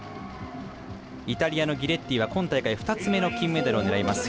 イタリアのギレッティは今大会２つ目の金メダルを狙います。